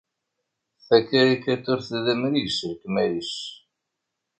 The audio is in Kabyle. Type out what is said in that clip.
Takarikaturt d amrig s lekmal-is.